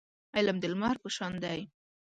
علم د لمر په شان دی.